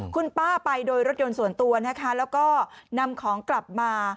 คุณป้าไปโดยรถยนต์ส่วนตัวนะคะแล้วก็นำของกลับมา